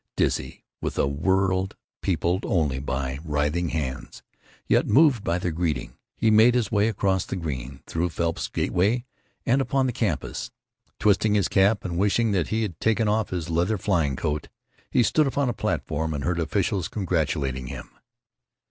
Dizzy with a world peopled only by writhing hands, yet moved by their greeting, he made his way across the Green, through Phelps Gateway, and upon the campus. Twisting his cap and wishing that he had taken off his leather flying coat, he stood upon a platform and heard officials congratulating him.